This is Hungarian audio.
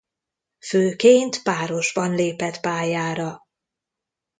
Főként párosban lépett pályára.